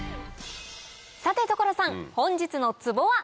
さて所さん本日のツボは？